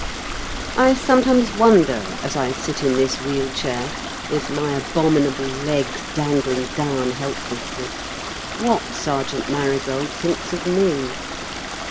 I sometimes wonder, as I sit in this wheel chair, with my abominable legs dangling down helplessly, what Sergeant Marigold thinks of me.